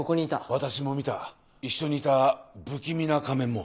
私も見た一緒にいた不気味な仮面も。